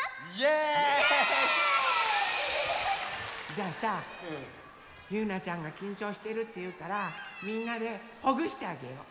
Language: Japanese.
じゃあさゆうなちゃんがきんちょうしてるっていうからみんなでほぐしてあげよう。